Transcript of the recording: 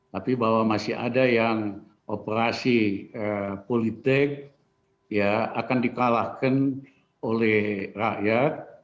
tapi bahwa masih ada yang operasi politik akan dikalahkan oleh rakyat